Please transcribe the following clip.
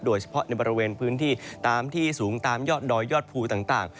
โดยเฉพาะในบริเวณพื้นที่ตามที่สูงตามยอดดอยยอดภูต่าง